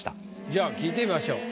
じゃあ聞いてみましょう。